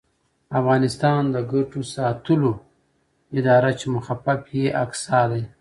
افغانستان د ګټو ساتلو اداره چې مخفف یې اګسا دی